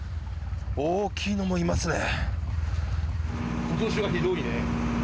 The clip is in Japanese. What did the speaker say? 大きいのもいますね。